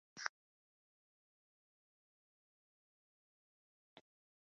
He is often accompanied by the Duchess of Cornwall.